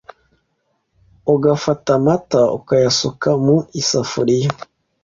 ugafata amata ukayasuka mu isafuriya